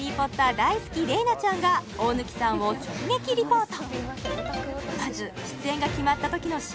大好き麗菜ちゃんが大貫さんを直撃リポート！